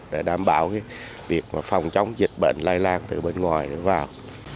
để đảm bảo việc phòng chống dịch bệnh lai lan từ bên ngoài đến vào